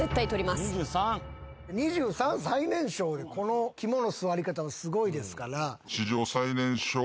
最年少でこの肝の据わり方はすごいですから。